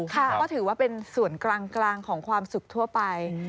ก็ถือว่าเป็นส่วนกลางของความสุขทั่วไป